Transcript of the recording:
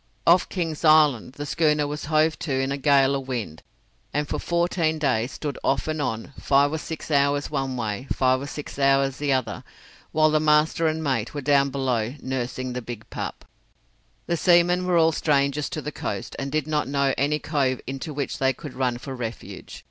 Off King's Island the schooner was hove to in a gale of wind, and for fourteen days stood off and on five or six hours one way, and five or six hours the other while the master and mate were down below, "nursing the Big Pup." The seamen were all strangers to the coast, and did not know any cove into which they could run for refuge.